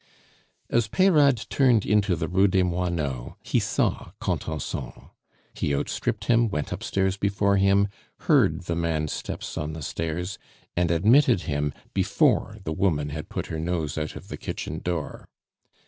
As Peyrade turned into the Rue des Moineaux, he saw Contenson; he outstripped him, went upstairs before him, heard the man's steps on the stairs, and admitted him before the woman had put her nose out of the kitchen door.